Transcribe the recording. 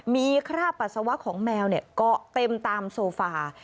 มีค่าปัสสาวะของแมวเนี่ยก็เต็มตามโซฟา